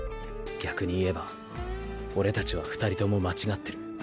逆に言えば俺たちは二人とも間違ってる。